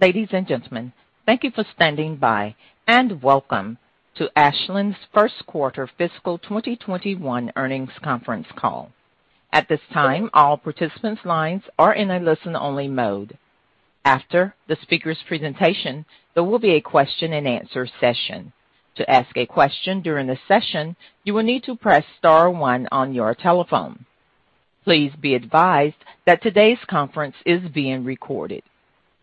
Ladies and gentlemen, thank you for standing by, and welcome to Ashland's first quarter fiscal 2021 earnings conference call. At this time, all participants' lines are in a listen-only mode. After the speakers' presentation, there will be a Q&A session. To ask a question during the session, you will need to press star one on your telephone. Please be advised that today's conference is being recorded.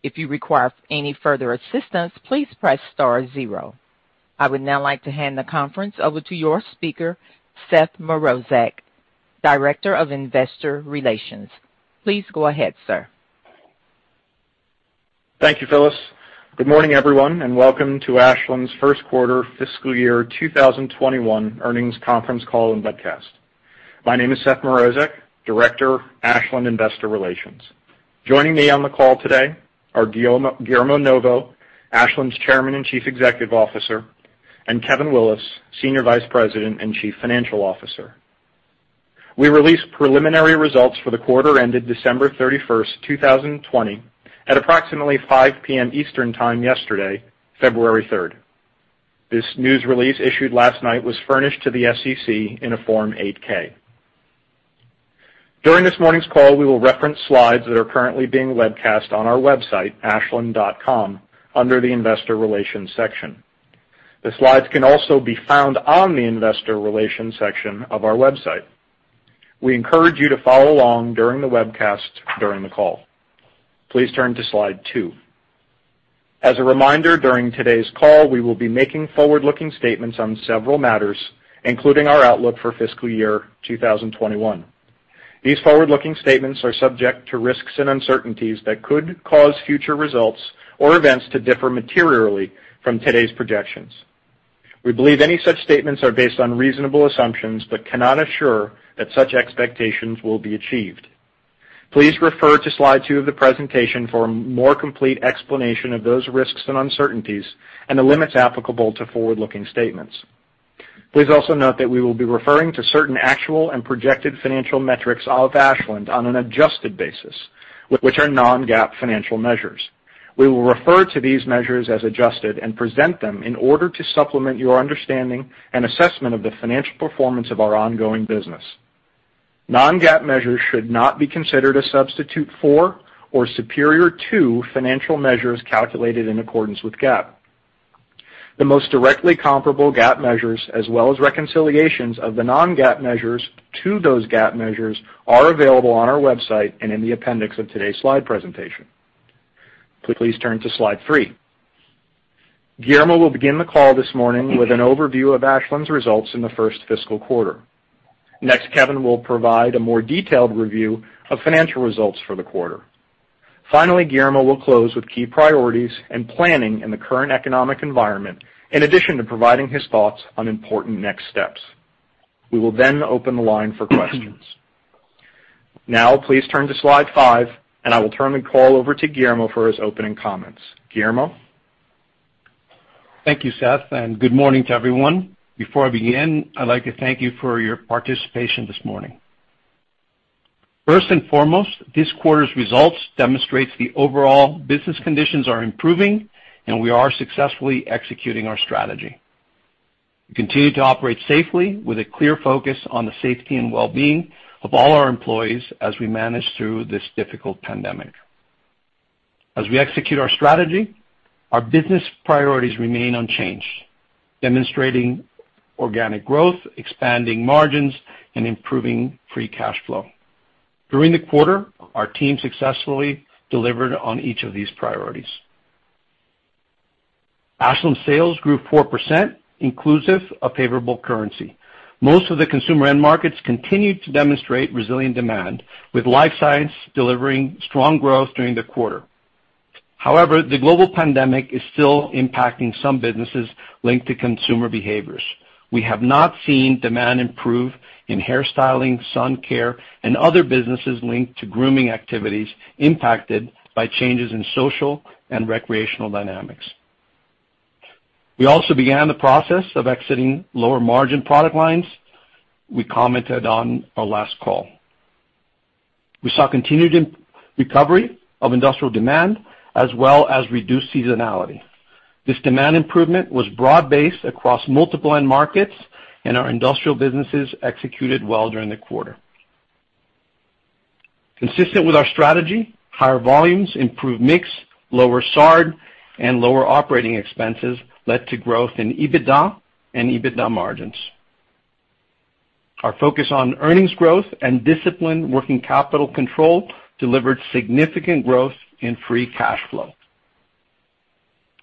If you require any further assistance, please press star zero. I would now like to hand the conference over to your speaker, Seth Mrozek, Director of Investor Relations. Please go ahead, sir. Thank you, Phyllis. Good morning, everyone, and welcome to Ashland's first quarter fiscal year 2021 earnings conference call and webcast. My name is Seth Mrozek, Director, Ashland Investor Relations. Joining me on the call today are Guillermo Novo, Ashland's Chairman and Chief Executive Officer, and Kevin Willis, Senior Vice President and Chief Financial Officer. We released preliminary results for the quarter ended December 31st, 2020 at approximately 5:00 P.M. Eastern Time yesterday, February 3rd. This news release issued last night was furnished to the SEC in a Form 8-K. During this morning's call, we will reference slides that are currently being webcast on our website, ashland.com, under the investor relations section. The slides can also be found on the investor relations section of our website. We encourage you to follow along during the webcast during the call. Please turn to Slide two. As a reminder, during today's call, we will be making forward-looking statements on several matters, including our outlook for fiscal year 2021. These forward-looking statements are subject to risks and uncertainties that could cause future results or events to differ materially from today's projections. We believe any such statements are based on reasonable assumptions but cannot assure that such expectations will be achieved. Please refer to Slide two of the presentation for a more complete explanation of those risks and uncertainties and the limits applicable to forward-looking statements. Please also note that we will be referring to certain actual and projected financial metrics of Ashland on an adjusted basis, which are non-GAAP financial measures. We will refer to these measures as adjusted and present them in order to supplement your understanding and assessment of the financial performance of our ongoing business. Non-GAAP measures should not be considered a substitute for or superior to financial measures calculated in accordance with GAAP. The most directly comparable GAAP measures as well as reconciliations of the non-GAAP measures to those GAAP measures are available on our website and in the appendix of today's slide presentation. Please turn to Slide three. Guillermo will begin the call this morning with an overview of Ashland's results in the first fiscal quarter. Kevin will provide a more detailed review of financial results for the quarter. Guillermo will close with key priorities and planning in the current economic environment in addition to providing his thoughts on important next steps. We will open the line for questions. Please turn to Slide five, and I will turn the call over to Guillermo for his opening comments. Guillermo? Thank you, Seth, and good morning to everyone. Before I begin, I'd like to thank you for your participation this morning. First and foremost, this quarter's results demonstrates the overall business conditions are improving, and we are successfully executing our strategy. We continue to operate safely with a clear focus on the safety and wellbeing of all our employees as we manage through this difficult pandemic. As we execute our strategy, our business priorities remain unchanged, demonstrating organic growth, expanding margins, and improving free cash flow. During the quarter, our team successfully delivered on each of these priorities. Ashland sales grew 4%, inclusive of favorable currency. Most of the consumer end markets continued to demonstrate resilient demand, with Life Sciences delivering strong growth during the quarter. However, the global pandemic is still impacting some businesses linked to consumer behaviors. We have not seen demand improve in hair styling, sun care, and other businesses linked to grooming activities impacted by changes in social and recreational dynamics. We also began the process of exiting lower-margin product lines we commented on our last call. We saw continued recovery of industrial demand as well as reduced seasonality. This demand improvement was broad-based across multiple end markets, and our industrial businesses executed well during the quarter. Consistent with our strategy, higher volumes, improved mix, lower SARD, and lower operating expenses led to growth in EBITDA and EBITDA margins. Our focus on earnings growth and disciplined working capital control delivered significant growth in free cash flow.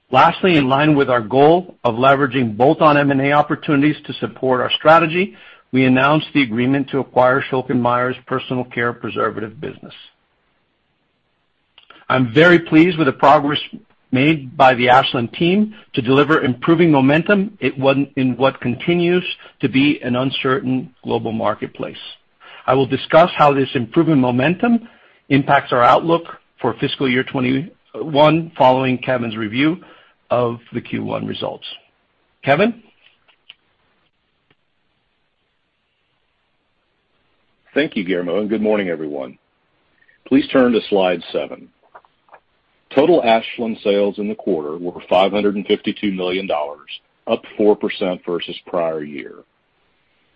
Lastly, in line with our goal of leveraging bolt-on M&A opportunities to support our strategy, we announced the agreement to acquire Schülke & Mayr personal care preservative business. I'm very pleased with the progress made by the Ashland team to deliver improving momentum in what continues to be an uncertain global marketplace. I will discuss how this improving momentum impacts our outlook for fiscal year 2021 following Kevin's review of the Q1 results. Kevin? Thank you, Guillermo, and good morning, everyone. Please turn to Slide seven. Total Ashland sales in the quarter were $552 million, up 4% versus prior year.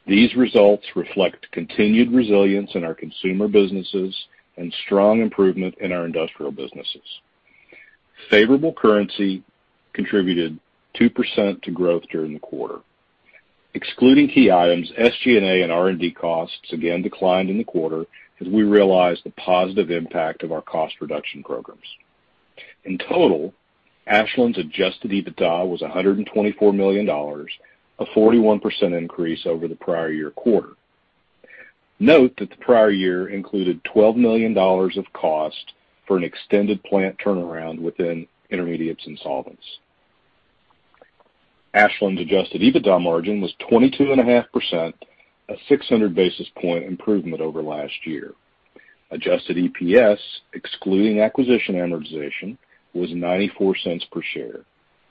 These results reflect continued resilience in our consumer businesses and strong improvement in our industrial businesses. Favorable currency contributed 2% to growth during the quarter. Excluding key items, SG&A and R&D costs again declined in the quarter as we realized the positive impact of our cost reduction programs. In total, Ashland's adjusted EBITDA was $124 million, a 41% increase over the prior year quarter. Note that the prior year included $12 million of cost for an extended plant turnaround within Intermediates and Solvents. Ashland's adjusted EBITDA margin was 22.5%, a 600-basis point improvement over last year. Adjusted EPS, excluding acquisition amortization, was $0.94 per share,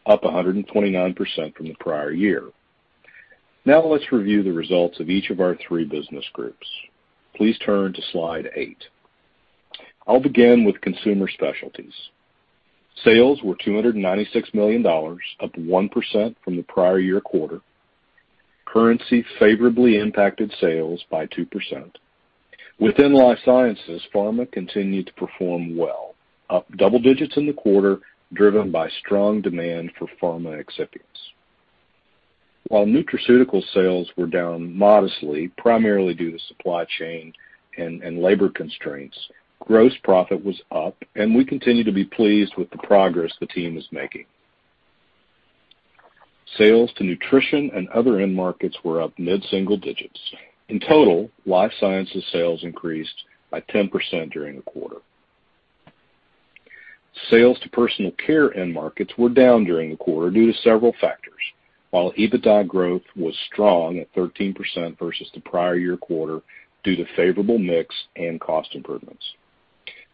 up 129% from the prior year. Now let's review the results of each of our three business groups. Please turn to Slide eight. I'll begin with Consumer Specialties. Sales were $296 million, up 1% from the prior year quarter. Currency favorably impacted sales by 2%. Within Life Sciences, pharma continued to perform well, up double digits in the quarter, driven by strong demand for pharma excipients. While nutraceutical sales were down modestly, primarily due to supply chain and labor constraints, gross profit was up, and we continue to be pleased with the progress the team is making. Sales to nutrition and other end markets were up mid-single digits. In total, Life Sciences sales increased by 10% during the quarter. Sales to personal care end markets were down during the quarter due to several factors. While EBITDA growth was strong at 13% versus the prior year quarter due to favorable mix and cost improvements.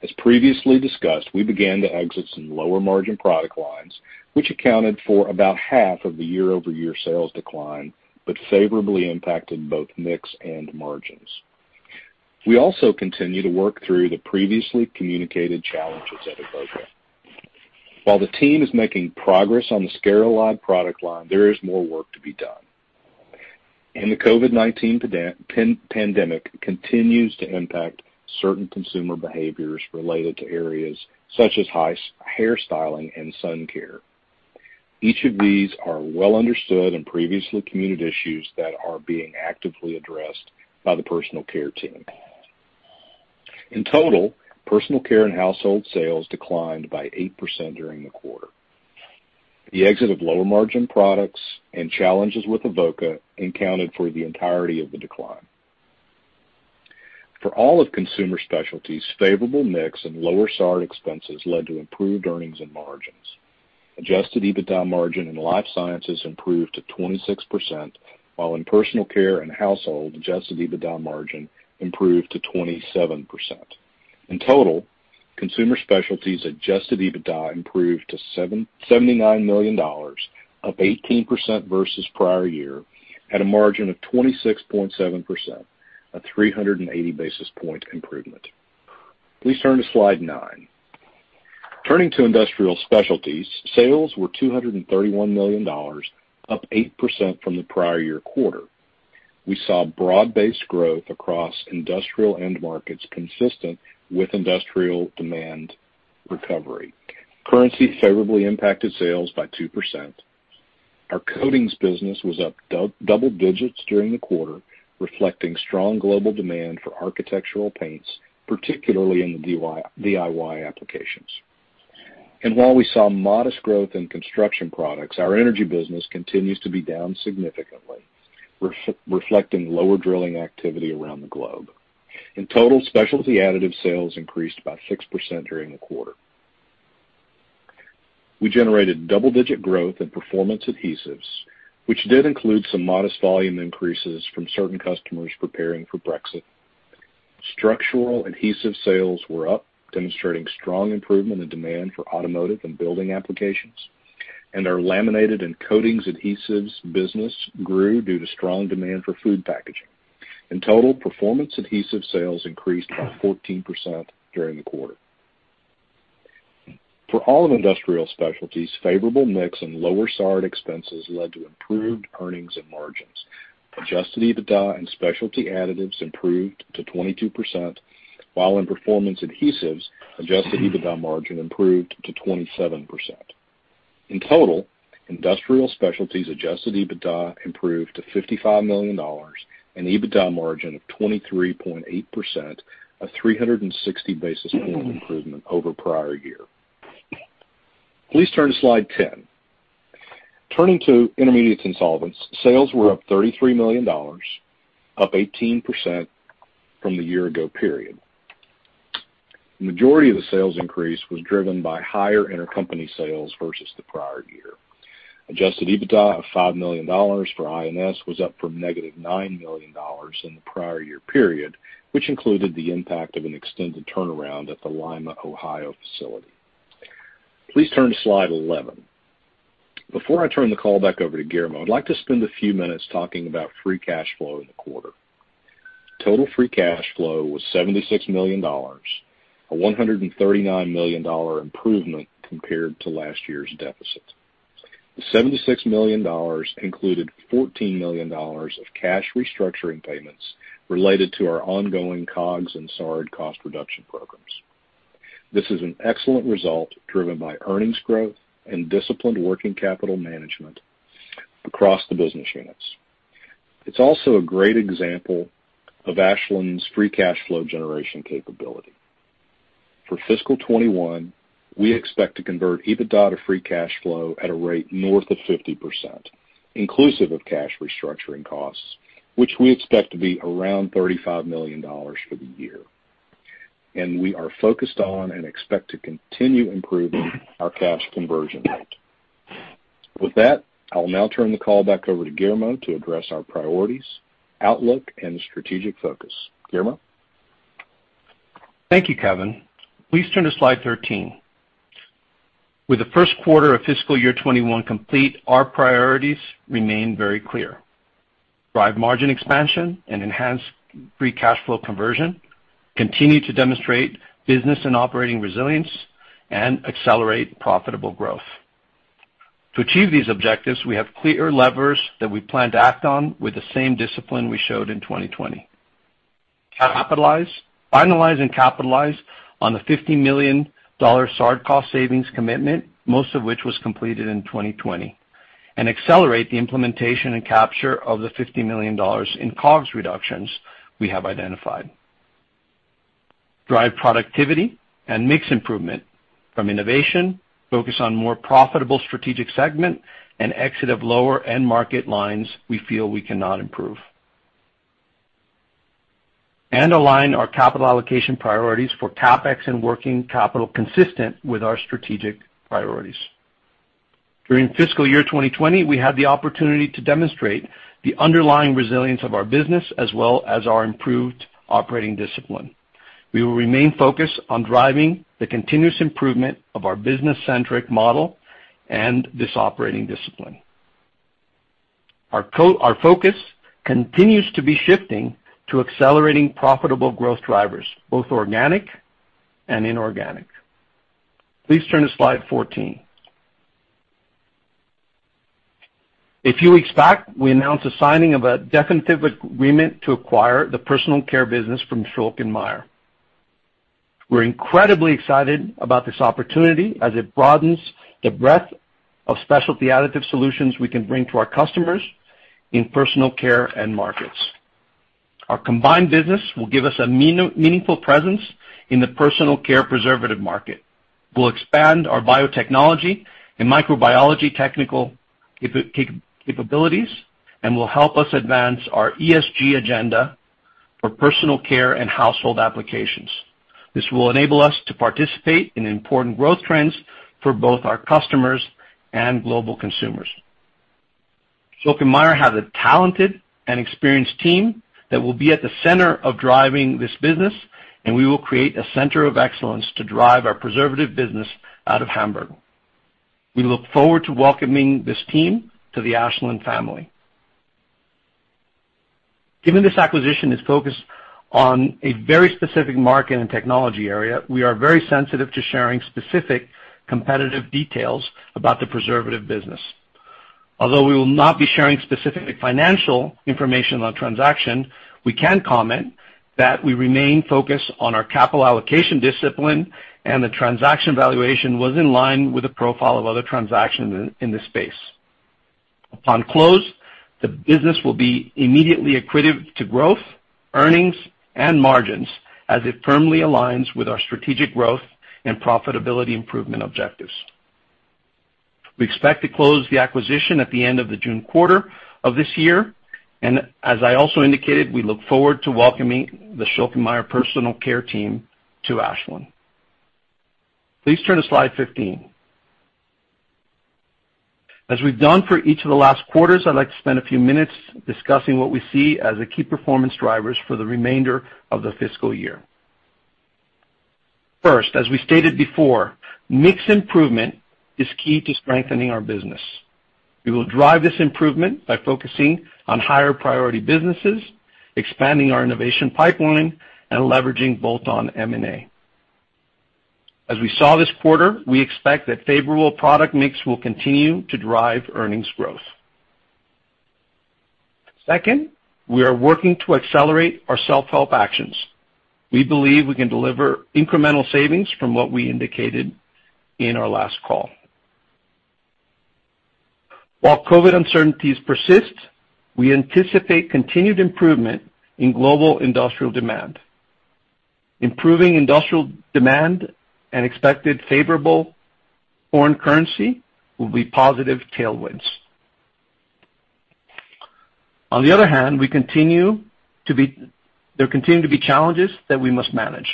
As previously discussed, we began to exit some lower-margin product lines, which accounted for about half of the year-over-year sales decline, but favorably impacted both mix and margins. We also continue to work through the previously communicated challenges at Avoca. While the team is making progress on the Sclareolide product line, there is more work to be done. The COVID-19 pandemic continues to impact certain consumer behaviors related to areas such as hairstyling and sun care. Each of these are well understood and previously communicated issues that are being actively addressed by the personal care team. In total, personal care and household sales declined by 8% during the quarter. The exit of lower-margin products and challenges with Avoca accounted for the entirety of the decline. For all of Consumer Specialties, favorable mix and lower SARD expenses led to improved earnings and margins. Adjusted EBITDA margin in Life Sciences improved to 26%, while in personal care and household, adjusted EBITDA margin improved to 27%. In total, Consumer Specialties adjusted EBITDA improved to $79 million, up 18% versus prior year at a margin of 26.7%, a 380-basis point improvement. Please turn to Slide nine. Turning to Industrial Specialties, sales were $231 million, up 8% from the prior year quarter. We saw broad-based growth across industrial end markets consistent with industrial demand recovery. Currency favorably impacted sales by 2%. Our coatings business was up double digits during the quarter, reflecting strong global demand for architectural paints, particularly in the DIY applications. While we saw modest growth in construction products, our energy business continues to be down significantly, reflecting lower drilling activity around the globe. In total, Specialty Additives sales increased by 6% during the quarter. We generated double-digit growth in Performance Adhesives, which did include some modest volume increases from certain customers preparing for Brexit. Structural adhesive sales were up, demonstrating strong improvement in demand for automotive and building applications, and our laminated and coatings adhesives business grew due to strong demand for food packaging. In total, Performance Adhesives sales increased by 14% during the quarter. For all of Industrial Specialties, favorable mix and lower SARD expenses led to improved earnings and margins. Adjusted EBITDA in Specialty Additives improved to 22%, while in Performance Adhesives, adjusted EBITDA margin improved to 27%. In total, Industrial Specialties adjusted EBITDA improved to $55 million, an EBITDA margin of 23.8%, a 360-basis point improvement over prior year. Please turn to Slide 10. Turning to Intermediates and Solvents, sales were up $33 million, up 18% from the year ago period. The majority of the sales increase was driven by higher intercompany sales versus the prior year. Adjusted EBITDA of $5 million for I&S was up from negative $9 million in the prior year period, which included the impact of an extended turnaround at the Lima, Ohio facility. Please turn to Slide 11. Before I turn the call back over to Guillermo, I'd like to spend a few minutes talking about free cash flow in the quarter. Total free cash flow was $76 million, a $139 million improvement compared to last year's deficit. The $76 million included $14 million of cash restructuring payments related to our ongoing COGS and SARD cost reduction programs. This is an excellent result, driven by earnings growth and disciplined working capital management across the business units. It's also a great example of Ashland's free cash flow generation capability. For fiscal 2021, we expect to convert EBITDA to free cash flow at a rate north of 50%, inclusive of cash restructuring costs, which we expect to be around $35 million for the year. We are focused on and expect to continue improving our cash conversion rate. With that, I will now turn the call back over to Guillermo to address our priorities, outlook, and strategic focus. Guillermo? Thank you, Kevin. Please turn to slide 13. With the first quarter of fiscal year 2021 complete, our priorities remain very clear. Drive margin expansion and enhance free cash flow conversion, continue to demonstrate business and operating resilience, and accelerate profitable growth. To achieve these objectives, we have clear levers that we plan to act on with the same discipline we showed in 2020. Finalize and capitalize on the $50 million SARD cost savings commitment, most of which was completed in 2020, and accelerate the implementation and capture of the $50 million in COGS reductions we have identified. Drive productivity and mix improvement from innovation, focus on more profitable strategic segment, and exit of lower end market lines we feel we cannot improve. Align our capital allocation priorities for CapEx and working capital consistent with our strategic priorities. During fiscal year 2020, we had the opportunity to demonstrate the underlying resilience of our business, as well as our improved operating discipline. We will remain focused on driving the continuous improvement of our business-centric model and this operating discipline. Our focus continues to be shifting to accelerating profitable growth drivers, both organic and inorganic. Please turn to slide 14. A few weeks back, we announced the signing of a definitive agreement to acquire the personal care business from Schülke & Mayr. We're incredibly excited about this opportunity as it broadens the breadth of Specialty Additives solutions we can bring to our customers in personal care end markets. Our combined business will give us a meaningful presence in the personal care preservative market. We'll expand our biotechnology and microbiology technical capabilities and will help us advance our ESG agenda for personal care and household applications. This will enable us to participate in important growth trends for both our customers and global consumers. Schülke & Mayr has a talented and experienced team that will be at the center of driving this business, and we will create a center of excellence to drive our preservative business out of Hamburg. We look forward to welcoming this team to the Ashland family. Given this acquisition is focused on a very specific market and technology area, we are very sensitive to sharing specific competitive details about the preservative business. Although we will not be sharing specific financial information on transaction, we can comment that we remain focused on our capital allocation discipline, and the transaction valuation was in line with the profile of other transactions in this space. Upon close, the business will be immediately accretive to growth, earnings, and margins as it firmly aligns with our strategic growth and profitability improvement objectives. We expect to close the acquisition at the end of the June quarter of this year, and as I also indicated, we look forward to welcoming the Schülke & Mayr personal care team to Ashland. Please turn to slide 15. As we've done for each of the last quarters, I'd like to spend a few minutes discussing what we see as the key performance drivers for the remainder of the fiscal year. First, as we stated before, mix improvement is key to strengthening our business. We will drive this improvement by focusing on higher priority businesses, expanding our innovation pipeline, and leveraging bolt-on M&A. As we saw this quarter, we expect that favorable product mix will continue to drive earnings growth. Second, we are working to accelerate our self-help actions. We believe we can deliver incremental savings from what we indicated in our last call. While COVID uncertainties persist, we anticipate continued improvement in global industrial demand. Improving industrial demand and expected favorable foreign currency will be positive tailwinds. On the other hand, there continue to be challenges that we must manage.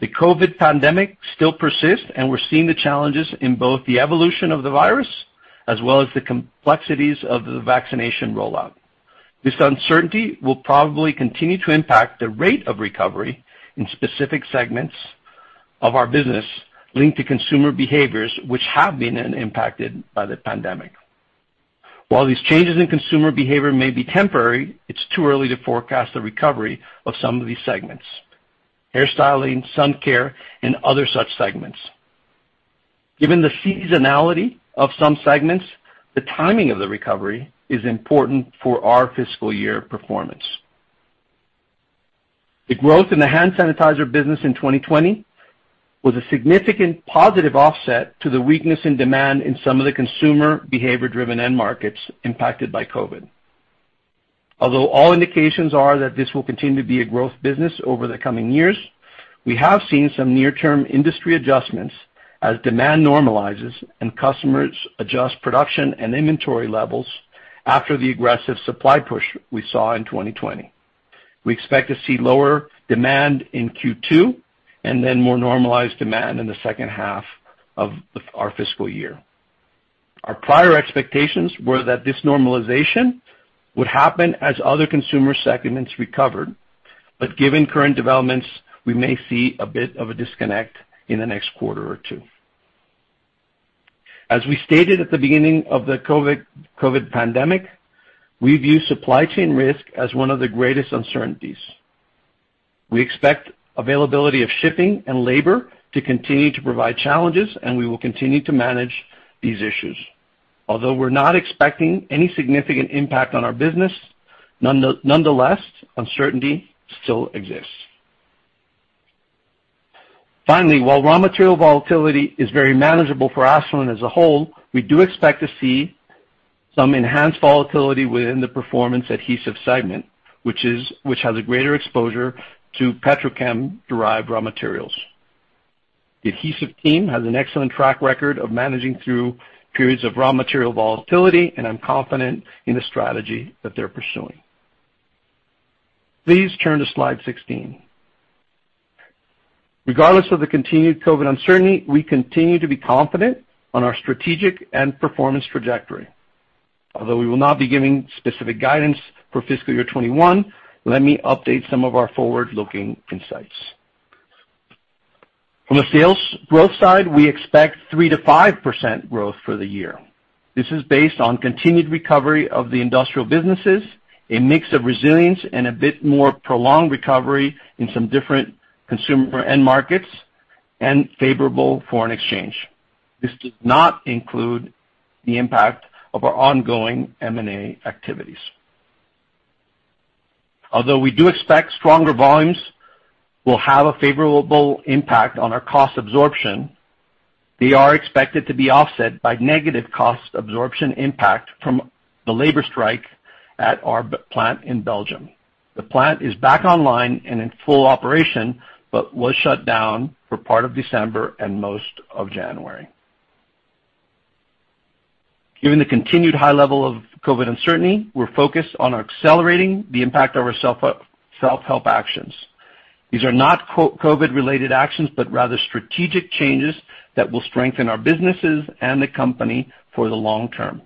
The COVID pandemic still persists, and we're seeing the challenges in both the evolution of the virus as well as the complexities of the vaccination rollout. This uncertainty will probably continue to impact the rate of recovery in specific segments of our business linked to consumer behaviors, which have been impacted by the pandemic. While these changes in consumer behavior may be temporary, it's too early to forecast the recovery of some of these segments, hair styling, sun care, and other such segments. Given the seasonality of some segments, the timing of the recovery is important for our fiscal year performance. The growth in the hand sanitizer business in 2020 was a significant positive offset to the weakness in demand in some of the consumer behavior-driven end markets impacted by COVID. Although all indications are that this will continue to be a growth business over the coming years, we have seen some near-term industry adjustments as demand normalizes and customers adjust production and inventory levels after the aggressive supply push we saw in 2020. We expect to see lower demand in Q2, and then more normalized demand in the second half of our fiscal year. Our prior expectations were that this normalization would happen as other consumer segments recovered, but given current developments, we may see a bit of a disconnect in the next quarter or two. As we stated at the beginning of the COVID pandemic, we view supply chain risk as one of the greatest uncertainties. We expect availability of shipping and labor to continue to provide challenges, and we will continue to manage these issues. We're not expecting any significant impact on our business, nonetheless, uncertainty still exists. While raw material volatility is very manageable for Ashland as a whole, we do expect to see some enhanced volatility within the Performance Adhesives segment, which has a greater exposure to petrochem-derived raw materials. The adhesive team has an excellent track record of managing through periods of raw material volatility, and I'm confident in the strategy that they're pursuing. Please turn to slide 16. Regardless of the continued COVID uncertainty, we continue to be confident on our strategic and performance trajectory. Although we will not be giving specific guidance for fiscal year 2021, let me update some of our forward-looking insights. From a sales growth side, we expect 3%-5% growth for the year. This is based on continued recovery of the industrial businesses, a mix of resilience, and a bit more prolonged recovery in some different consumer end markets, and favorable foreign exchange. This does not include the impact of our ongoing M&A activities. Although we do expect stronger volumes will have a favorable impact on our cost absorption, they are expected to be offset by negative cost absorption impact from the labor strike at our plant in Belgium. The plant is back online and in full operation, but was shut down for part of December and most of January. Given the continued high level of COVID uncertainty, we're focused on accelerating the impact of our self-help actions. These are not COVID-related actions, but rather strategic changes that will strengthen our businesses and the company for the long term.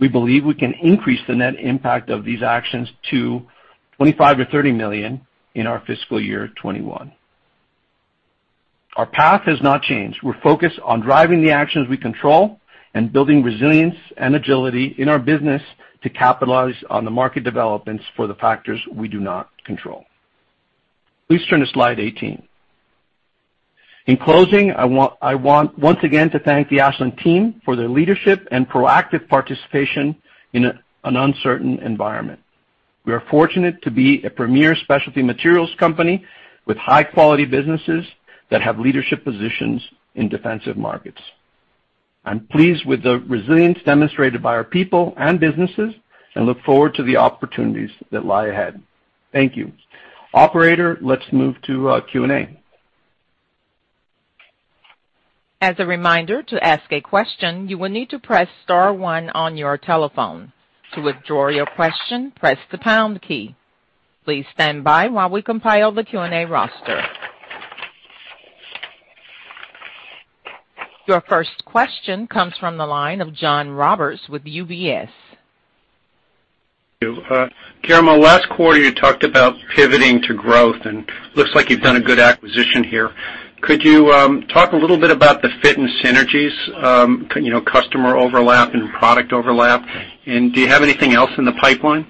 We believe we can increase the net impact of these actions to $25 million-$30 million in our fiscal year 2021. Our path has not changed. We're focused on driving the actions we control and building resilience and agility in our business to capitalize on the market developments for the factors we do not control. Please turn to slide 18. In closing, I want, once again, to thank the Ashland team for their leadership and proactive participation in an uncertain environment. We are fortunate to be a premier specialty materials company with high-quality businesses that have leadership positions in defensive markets. I'm pleased with the resilience demonstrated by our people and businesses and look forward to the opportunities that lie ahead. Thank you. Operator, let's move to Q&A. As a reminder, to ask a question, you will need to press star one on your telephone. To withdraw your question, press the pound key. Please stand by while we compile the Q&A roster. Your first question comes from the line of John Roberts with UBS. Thank you. Guillermo, last quarter you talked about pivoting to growth, and looks like you've done a good acquisition here. Could you talk a little bit about the fit and synergies, customer overlap, and product overlap? Do you have anything else in the pipeline?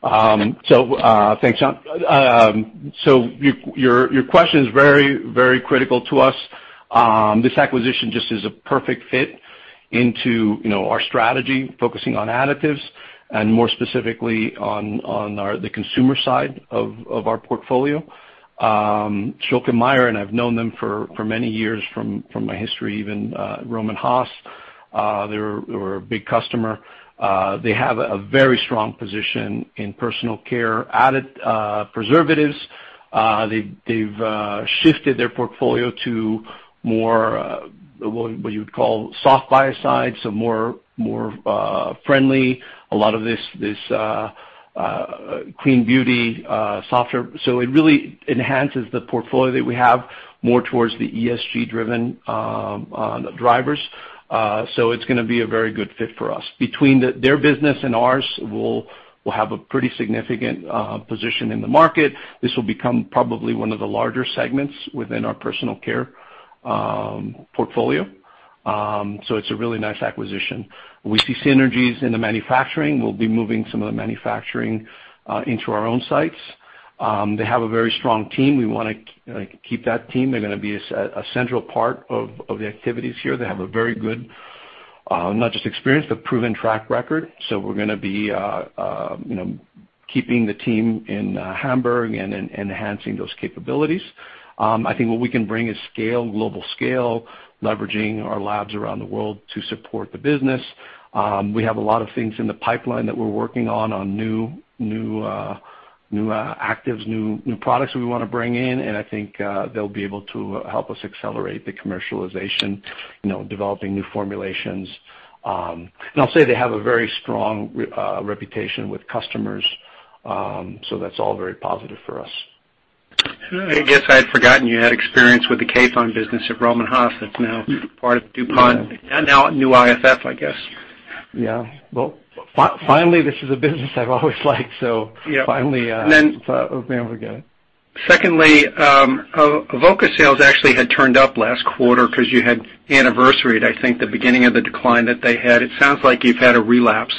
Thanks, John. Your question is very critical to us. This acquisition just is a perfect fit into our strategy, focusing on additives and more specifically on the consumer side of our portfolio. Schülke & Mayr, and I've known them for many years from my history even, Rohm and Haas, they were a big customer. They have a very strong position in personal care additives, preservatives. They've shifted their portfolio to more, what you would call, soft biocide, so more friendly. A lot of this is clean beauty, softer. It really enhances the portfolio that we have more towards the ESG-driven drivers. It's going to be a very good fit for us. Between their business and ours, we'll have a pretty significant position in the market. This will become probably one of the larger segments within our personal care portfolio. It's a really nice acquisition. We see synergies in the manufacturing. We'll be moving some of the manufacturing into our own sites. They have a very strong team. We want to keep that team. They're going to be a central part of the activities here. They have a very good, not just experience, but proven track record. We're going to be keeping the team in Hamburg and enhancing those capabilities. I think what we can bring is scale, global scale, leveraging our labs around the world to support the business. We have a lot of things in the pipeline that we're working on new actives, new products we want to bring in. I think they'll be able to help us accelerate the commercialization, developing new formulations. I'll say they have a very strong reputation with customers. That's all very positive for us. I guess I'd forgotten you had experience with the Kathon business at Rohm and Haas. That's now part of DuPont, and now new IFF, I guess. Yeah. Well, finally, this is a business I've always liked, so finally, being able to get it. Avoca sales actually had turned up last quarter because you had anniversaried, I think, the beginning of the decline that they had. It sounds like you've had a relapse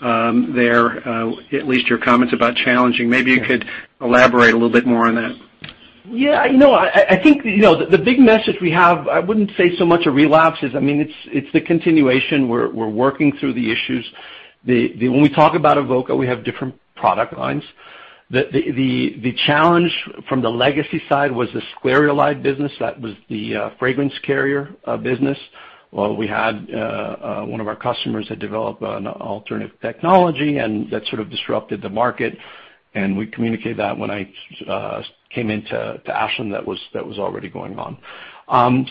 there, at least your comments about challenging. Maybe you could elaborate a little bit more on that? I think, the big message we have, I wouldn't say so much a relapse as, it's the continuation. We're working through the issues. When we talk about Avoca, we have different product lines. The challenge from the legacy side was the Sclareolide business. That was the fragrance carrier business. One of our customers had developed an alternative technology, and that sort of disrupted the market, and we communicated that when I came into Ashland, that was already going on.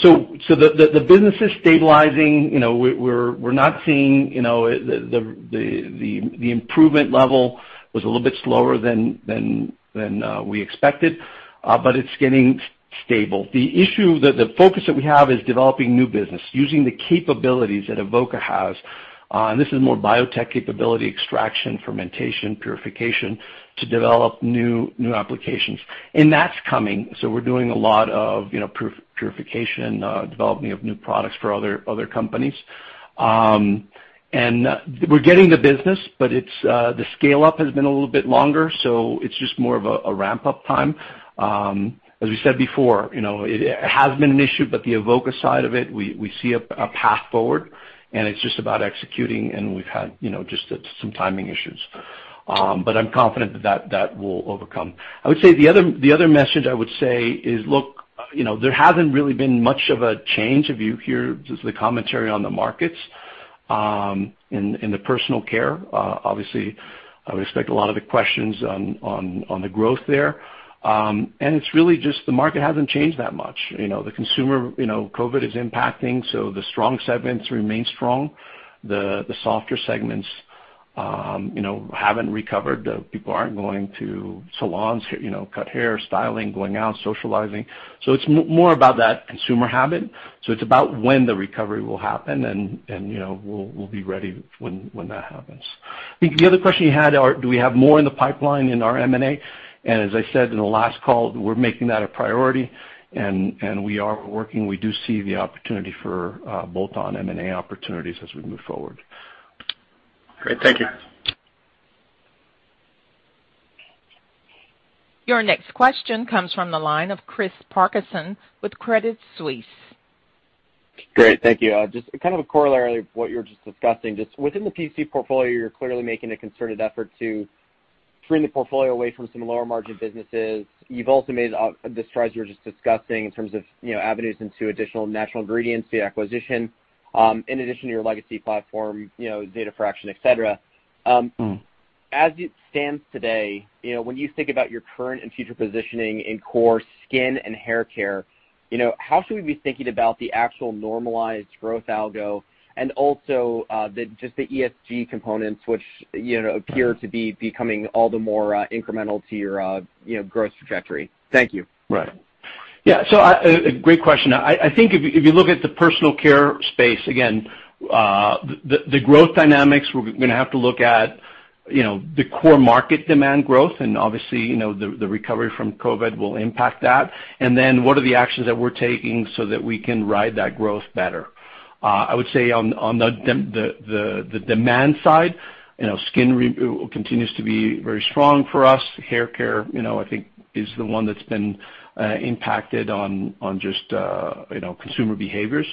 The business is stabilizing. We're not seeing the improvement level was a little bit slower than we expected, but it's getting stable. The focus that we have is developing new business, using the capabilities that Avoca has. This is more biotech capability, extraction, fermentation, purification, to develop new applications. That's coming, we're doing a lot of purification, developing of new products for other companies. We're getting the business, but the scale-up has been a little bit longer, so it's just more of a ramp-up time. As we said before, it has been an issue, but the Avoca side of it, we see a path forward, and it's just about executing, and we've had just some timing issues. I'm confident that that will overcome. I would say the other message I would say is, look, there hasn't really been much of a change of view here. Just the commentary on the markets, in the personal care. Obviously, I would expect a lot of the questions on the growth there. It's really just the market hasn't changed that much. The consumer, COVID is impacting, so the strong segments remain strong. The softer segments haven't recovered. People aren't going to salons, cut hair, styling, going out, socializing. It's more about that consumer habit. It's about when the recovery will happen, and we'll be ready when that happens. I think the other question you had are, do we have more in the pipeline in our M&A? As I said in the last call, we're making that a priority, and we are working. We do see the opportunity for bolt-on M&A opportunities as we move forward. Great. Thank you. Your next question comes from the line of Chris Parkinson with Credit Suisse. Great. Thank you. Kind of a corollary of what you were just discussing. Within the PC portfolio, you're clearly making a concerted effort to trim the portfolio away from some lower margin businesses. You've also made the strides you were just discussing in terms of avenues into additional natural ingredients, the acquisition, in addition to your legacy platform, data for action, et cetera. As it stands today, when you think about your current and future positioning in core skin and hair care, how should we be thinking about the actual normalized growth algo, and also the ESG components, which appear to be becoming all the more incremental to your growth trajectory? Thank you. Right. Great question. I think if you look at the personal care space, again, the growth dynamics, we're going to have to look at the core market demand growth, obviously, the recovery from COVID will impact that. What are the actions that we're taking so that we can ride that growth better? I would say on the demand side, skin continues to be very strong for us. Hair care, I think, is the one that's been impacted on just consumer behaviors.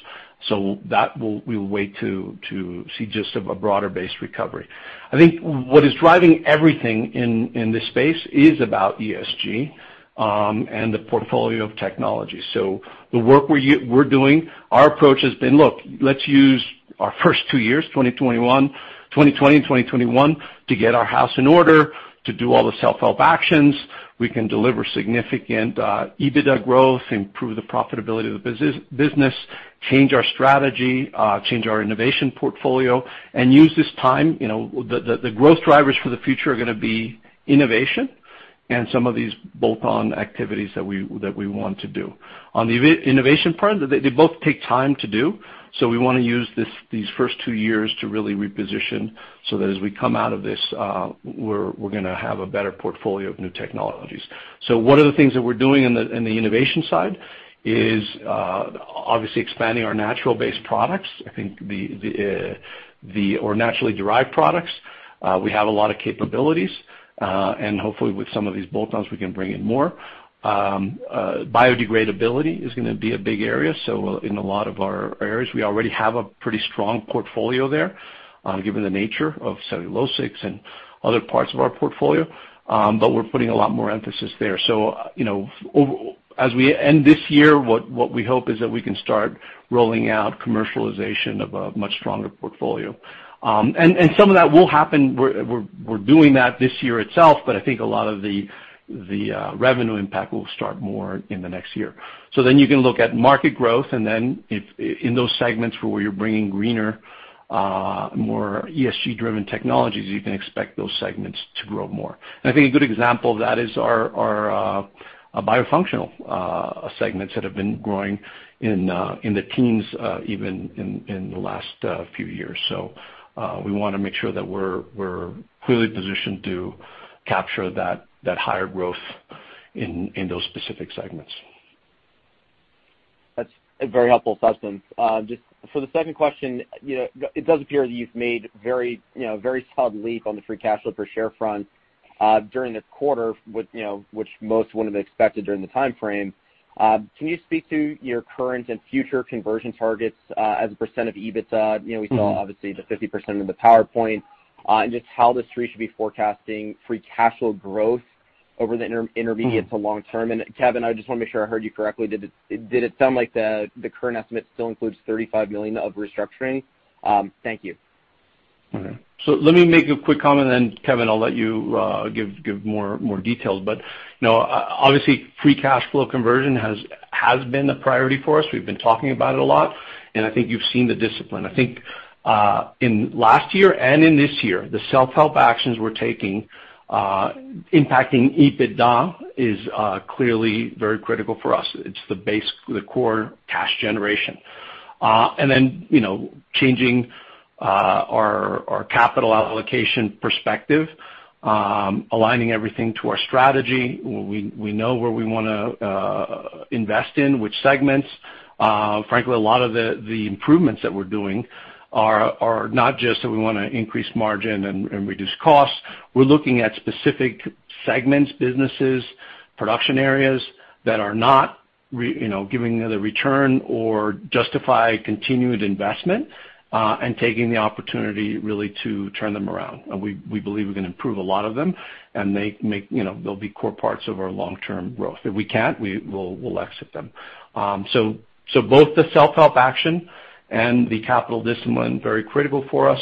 That we'll wait to see just a broader base recovery. I think what is driving everything in this space is about ESG and the portfolio of technology. The work we're doing, our approach has been, look, let's use our first two years, 2020 and 2021, to get our house in order, to do all the self-help actions. We can deliver significant EBITDA growth, improve the profitability of the business, change our strategy, change our innovation portfolio, and use this time. The growth drivers for the future are going to be innovation and some of these bolt-on activities that we want to do. On the innovation front, they both take time to do. We want to use these first two years to really reposition so that as we come out of this, we're going to have a better portfolio of new technologies. What are the things that we're doing in the innovation side? Is obviously expanding our natural-based products, or naturally derived products. We have a lot of capabilities, and hopefully with some of these bolt-ons, we can bring in more. Biodegradability is going to be a big area, so in a lot of our areas, we already have a pretty strong portfolio there given the nature of cellulosic and other parts of our portfolio, but we're putting a lot more emphasis there. As we end this year, what we hope is that we can start rolling out commercialization of a much stronger portfolio. Some of that will happen. We're doing that this year itself, but I think a lot of the revenue impact will start more in the next year. You can look at market growth, and then in those segments where you're bringing greener, more ESG-driven technologies, you can expect those segments to grow more. I think a good example of that is our bio-functional segments that have been growing in the teens even in the last few years. We want to make sure that we're clearly positioned to capture that higher growth in those specific segments. That's a very helpful assessment. Just for the second question, it does appear that you've made a very solid leap on the free cash flow per share front during this quarter, which most wouldn't have expected during the timeframe. Can you speak to your current and future conversion targets as a percent of EBITDA? We saw obviously the 50% in the PowerPoint, and just how The Street should be forecasting free cash flow growth over the intermediate to long term. Kevin, I just want to make sure I heard you correctly. Did it sound like the current estimate still includes $35 million of restructuring? Thank you. Let me make a quick comment, and then Kevin, I'll let you give more details. Obviously, free cash flow conversion has been a priority for us. We've been talking about it a lot, and I think you've seen the discipline. I think in last year and in this year, the self-help actions we're taking impacting EBITDA is clearly very critical for us. It's the core cash generation. Changing our capital allocation perspective, aligning everything to our strategy. We know where we want to invest in, which segments. Frankly, a lot of the improvements that we're doing are not just that we want to increase margin and reduce costs. We're looking at specific segments, businesses, production areas, that are not giving the return or justify continued investment, and taking the opportunity really to turn them around. We believe we can improve a lot of them and they'll be core parts of our long-term growth. If we can't, we'll exit them. Both the self-help action and the capital discipline, very critical for us.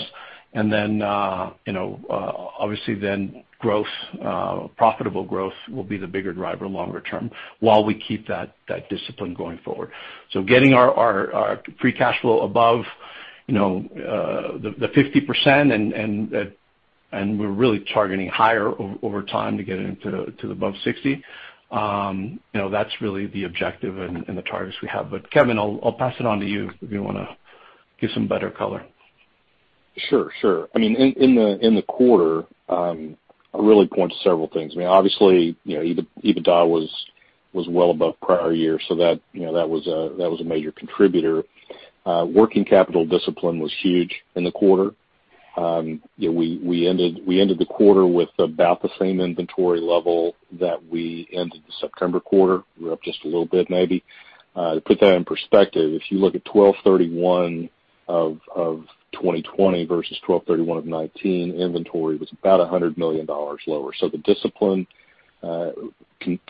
Then obviously then profitable growth will be the bigger driver longer term while we keep that discipline going forward. Getting our free cash flow above the 50%, and we're really targeting higher over time to get it into above 60%. That's really the objective and the targets we have. Kevin, I'll pass it on to you if you want to give some better color. Sure. In the quarter, I really point to several things. Obviously, EBITDA was well above prior year, that was a major contributor. Working capital discipline was huge in the quarter. We ended the quarter with about the same inventory level that we ended the September quarter. We're up just a little bit, maybe. To put that in perspective, if you look at 12/31/2020 versus 12/31/2019, inventory was about $100 million lower. The discipline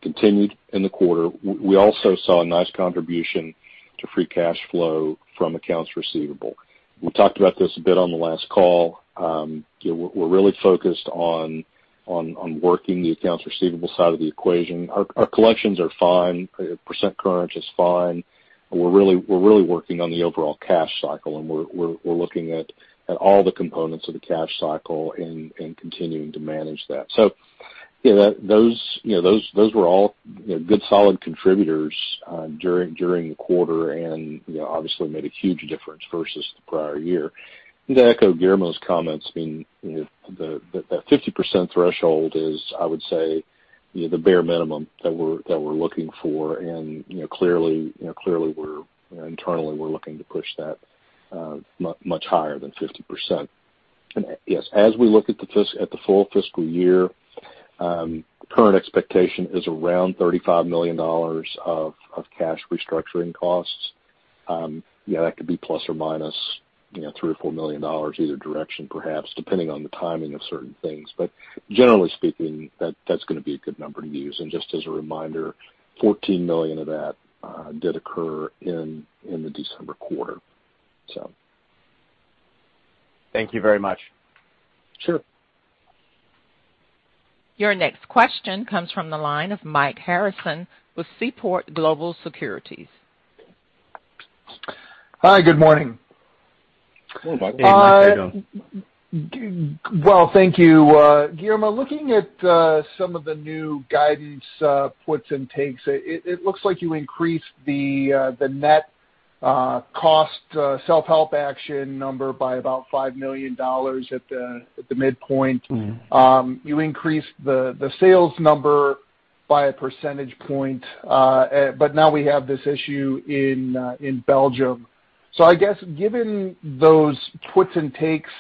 continued in the quarter. We also saw a nice contribution to free cash flow from accounts receivable. We talked about this a bit on the last call. We're really focused on working the accounts receivable side of the equation. Our collections are fine. Percent current is fine. We're really working on the overall cash cycle, and we're looking at all the components of the cash cycle and continuing to manage that. Those were all good, solid contributors during the quarter, and obviously made a huge difference versus the prior year. To echo Guillermo's comments, that 50% threshold is, I would say, the bare minimum that we're looking for, and clearly internally, we're looking to push that much higher than 50%. Yes, as we look at the full fiscal year, current expectation is around $35 million of cash restructuring costs. That could be ±$3 million or $4 million either direction, perhaps, depending on the timing of certain things. Generally speaking, that's going to be a good number to use. Just as a reminder, $14 million of that did occur in the December quarter. Thank you very much. Sure. Your next question comes from the line of Mike Harrison with Seaport Global Securities. Hi, good morning. Good morning, Mike. How are you doing? Well, thank you. Guillermo, looking at some of the new guidance puts and takes, it looks like you increased the net cost self-help action number by about $5 million at the midpoint. You increased the sales number by a percentage point. Now we have this issue in Belgium. I guess, given those twists and takes,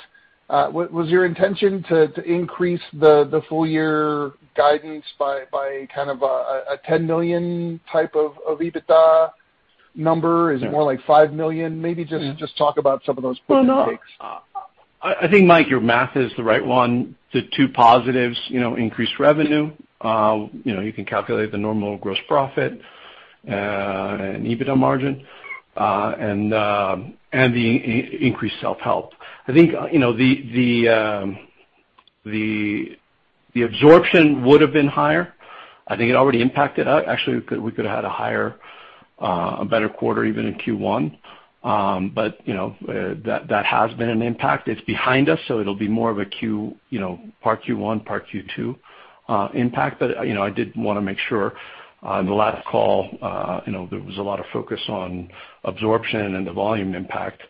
was your intention to increase the full year guidance by kind of a $10 million type of EBITDA number? Yeah. Is it more like $5 million? Maybe just talk about some of those twists and takes. I think, Mike, your math is the right one. The two positives, increased revenue. You can calculate the normal gross profit and EBITDA margin, and the increased self-help. I think, the absorption would've been higher. I think it already impacted us. Actually, we could've had a higher, a better quarter, even in Q1. That has been an impact. It's behind us, so it'll be more of a part Q1, part Q2 impact. I did want to make sure. On the last call, there was a lot of focus on absorption and the volume impact.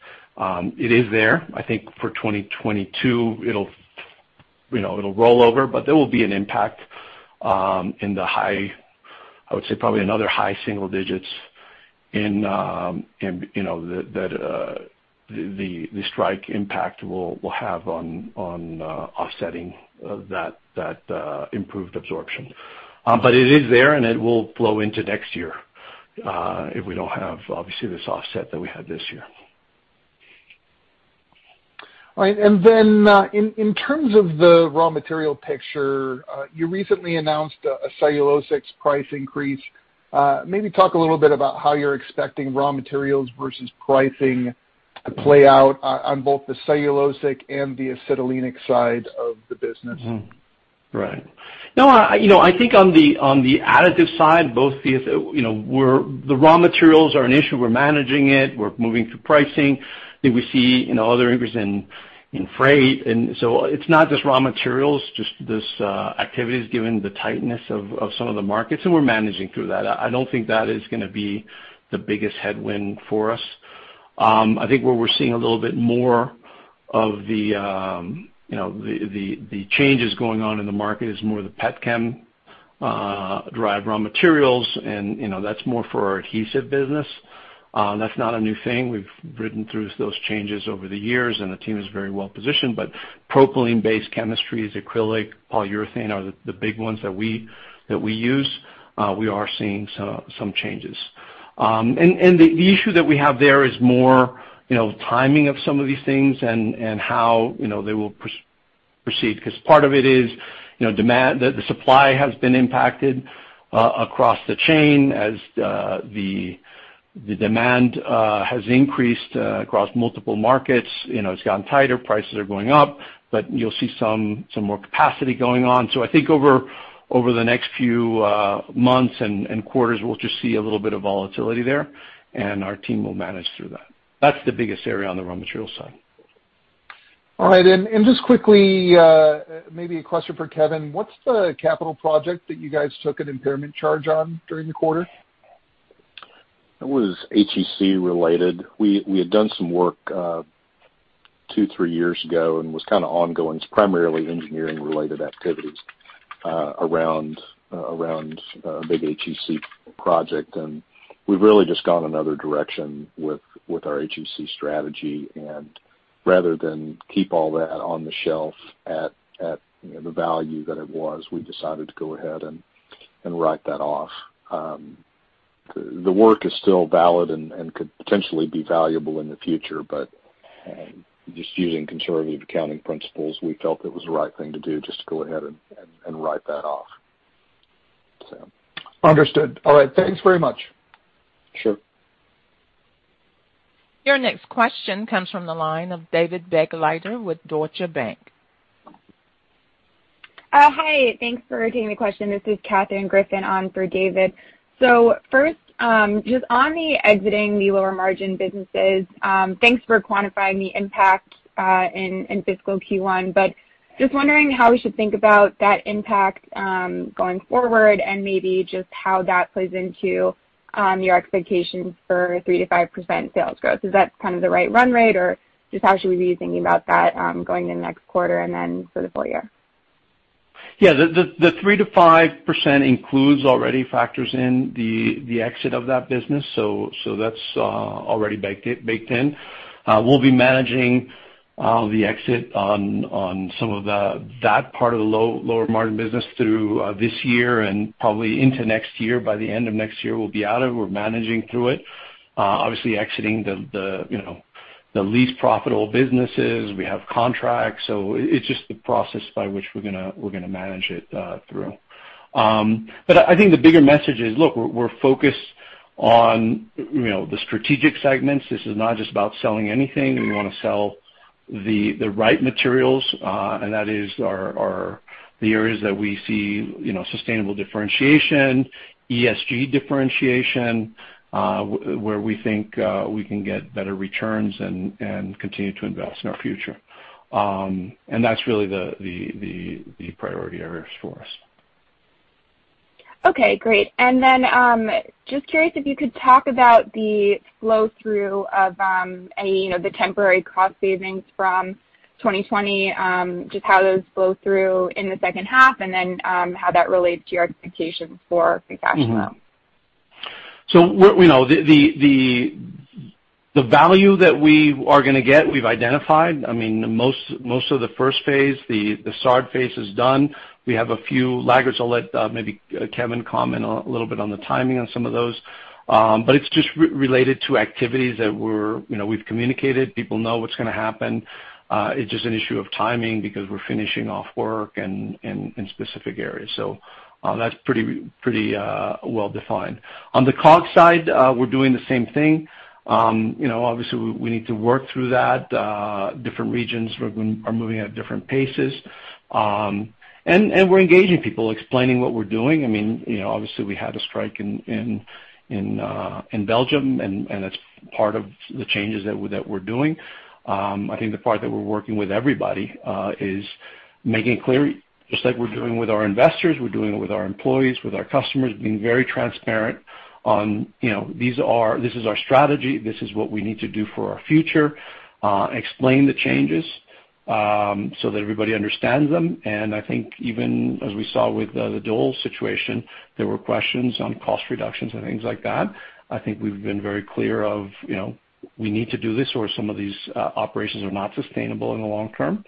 It is there. I think for 2022, it'll roll over. There will be an impact in the high, I would say, probably another high single digits in the strike impact will have on offsetting that improved absorption. It is there, and it will flow into next year, if we don't have, obviously, this offset that we had this year. All right. In terms of the raw material picture, you recently announced a cellulosic price increase. Maybe talk a little bit about how you're expecting raw materials versus pricing to play out on both the cellulosic and the acetylenic sides of the business. Right. I think on the additive side, the raw materials are an issue. We're managing it. We're moving through pricing. I think we see other increases in freight. It's not just raw materials, just this activity is given the tightness of some of the markets, and we're managing through that. I don't think that is going to be the biggest headwind for us. I think where we're seeing a little bit more of the changes going on in the market is more the petchem-derived raw materials, and that's more for our adhesive business. That's not a new thing. We've ridden through those changes over the years, the team is very well-positioned. Propylene-based chemistries, acrylic, polyurethane are the big ones that we use. We are seeing some changes. The issue that we have there is more timing of some of these things and how they will proceed because part of it is the supply has been impacted across the chain as the demand has increased across multiple markets. It's gotten tighter, prices are going up. You'll see some more capacity going on. I think over the next few months and quarters, we'll just see a little bit of volatility there, and our team will manage through that. That's the biggest area on the raw materials side. All right. Just quickly, maybe a question for Kevin. What's the capital project that you guys took an impairment charge on during the quarter? It was HEC related. We had done some work two, three years ago and was kind of ongoing. It's primarily engineering-related activities around a big HEC project, and we've really just gone another direction with our HEC strategy. Rather than keep all that on the shelf at the value that it was, we decided to go ahead and write that off. The work is still valid and could potentially be valuable in the future, but just using conservative accounting principles, we felt it was the right thing to do just to go ahead and write that off. So. Understood. All right. Thanks very much. Sure. Your next question comes from the line of David Begleiter with Deutsche Bank. Hi. Thanks for taking the question. This is Kathryn Griffin on for David. First, just on the exiting the lower margin businesses, thanks for quantifying the impact in fiscal Q1. Just wondering how we should think about that impact, going forward and maybe just how that plays into your expectations for 3%-5% sales growth. Is that kind of the right run rate, or just how should we be thinking about that going into next quarter and then for the full year? Yeah. The 3%-5% includes already factors in the exit of that business. That's already baked in. We'll be managing the exit on some of that part of the lower margin business through this year and probably into next year. By the end of next year, we'll be out of it. We're managing through it, obviously exiting the least profitable businesses. We have contracts. It's just the process by which we're going to manage it through. I think the bigger message is, look, we're focused on the strategic segments. This is not just about selling anything. We want to sell the right materials, and that is the areas that we see sustainable differentiation, ESG differentiation, where we think we can get better returns and continue to invest in our future. That's really the priority areas for us. Okay, great. Just curious if you could talk about the flow-through of the temporary cost savings from 2020, just how those flow through in the second half, and then how that relates to your expectations for the second half. The value that we are going to get, we've identified. Most of the first phase, the SARD phase, is done. We have a few laggards. I'll let maybe Kevin comment a little bit on the timing on some of those. It's just related to activities that we've communicated. People know what's going to happen. It's just an issue of timing because we're finishing off work in specific areas. That's pretty well-defined. On the COGS side, we're doing the same thing. Obviously, we need to work through that. Different regions are moving at different paces. We're engaging people, explaining what we're doing. Obviously, we had a strike in Belgium, that's part of the changes that we're doing. I think the part that we're working with everybody is making it clear, just like we're doing with our investors, we're doing it with our employees, with our customers, being very transparent on, "This is our strategy. This is what we need to do for our future." Explain the changes so that everybody understands them. I think even as we saw with the Doel situation, there were questions on cost reductions and things like that. I think we've been very clear of, we need to do this, or some of these operations are not sustainable in the long term.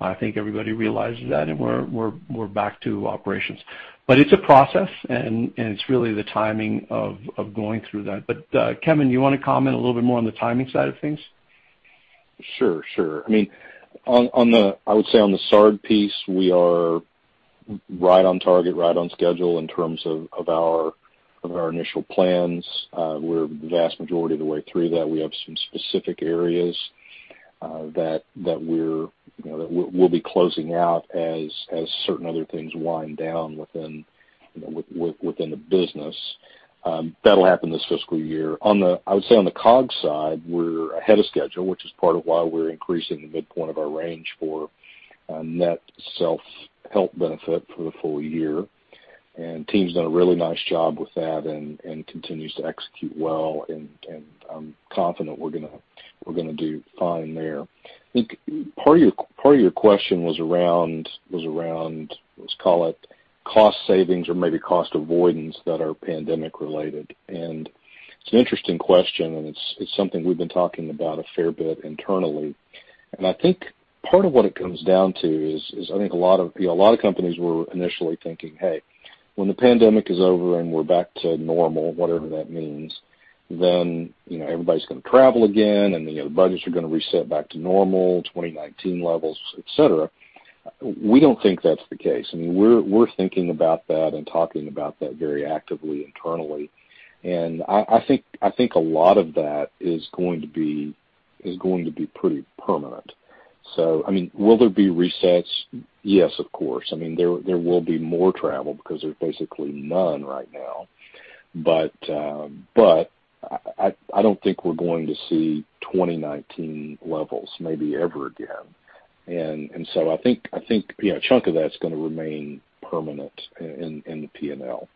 I think everybody realizes that, and we're back to operations. It's a process, and it's really the timing of going through that. Kevin, you want to comment a little bit more on the timing side of things? Sure. I would say on the SARD piece, we are right on target, right on schedule in terms of our initial plans. We're the vast majority of the way through that. We have some specific areas that we'll be closing out as certain other things wind down within the business. That'll happen this fiscal year. I would say on the COGS side, we're ahead of schedule, which is part of why we're increasing the midpoint of our range for net self-help benefit for the full year. Team's done a really nice job with that and continues to execute well, and I'm confident we're going to do fine there. I think part of your question was around, let's call it cost savings or maybe cost avoidance that are pandemic-related. It's an interesting question, and it's something we've been talking about a fair bit internally. I think part of what it comes down to is, I think a lot of companies were initially thinking, "Hey, when the COVID-19 is over and we're back to normal," whatever that means, "then everybody's going to travel again, and the budgets are going to reset back to normal 2019 levels," et cetera. We don't think that's the case. We're thinking about that and talking about that very actively internally. I think a lot of that is going to be pretty permanent. Will there be resets? Yes, of course. There will be more travel because there's basically none right now. I don't think we're going to see 2019 levels maybe ever again. I think a chunk of that's going to remain permanent in the P&L.